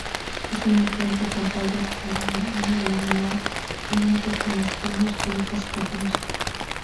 Es una planta con tallo columnar suculento con espinos y hojas carnosas.